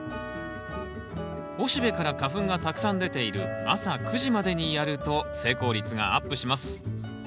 雄しべから花粉がたくさん出ている朝９時までにやると成功率がアップします。